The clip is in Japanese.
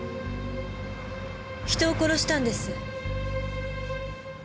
人を殺したんです。